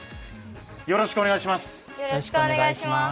よろしくお願いします。